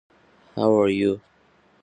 Elias National Park and Preserve.